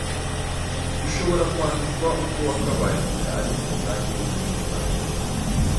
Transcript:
Ushobora kwandikwa uko wakabaye igihe ari nk’umugani w’umugenurano,